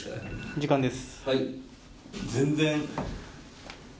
時間です。